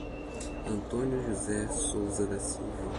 Antônio José Souza da Silva